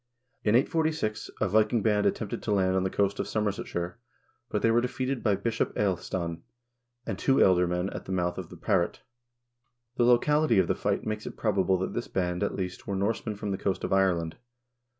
In 846 a Viking band attempted to land on the coast of Somersetshire, but they were defeated by Bishop Ealhstan and two ealdormen at the mouth of the Parret. The locality of the fight makes it probable that this band, at least, were Norsemen from the coast of Ireland.